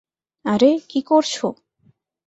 আরে, কী করছো?